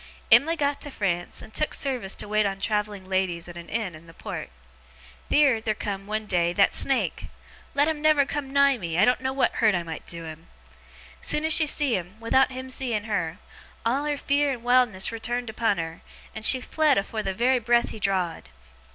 'Em'ly got to France, and took service to wait on travelling ladies at a inn in the port. Theer, theer come, one day, that snake. Let him never come nigh me. I doen't know what hurt I might do him! Soon as she see him, without him seeing her, all her fear and wildness returned upon her, and she fled afore the very breath he draw'd.